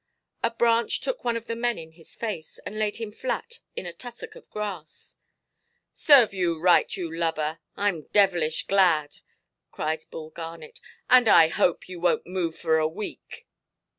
A branch took one of the men in his face, and laid him flat in a tussock of grass. "Serve you right, you lubber; Iʼm devilish glad", cried Bull Garnet; "and I hope you wonʼt move for a week".